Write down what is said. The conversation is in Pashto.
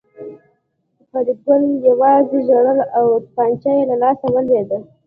فریدګل یوازې ژړل او توپانچه یې له لاسه ولوېده